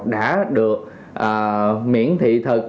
đã được miễn thị thực